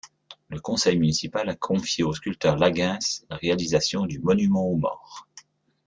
Le conseil municipal a confié au sculpteur Lagueins la réalisation du monument aux morts.